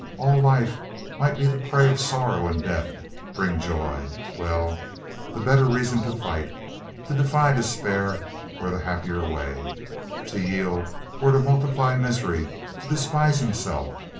All life might be the prey of sorrow and death bring joy. ... Well, The better reason to fight. To defy despair were the happier way. To yield were to multiply misery, to despise himself.